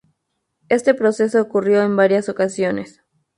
Este proceso ocurrió en varias ocasiones.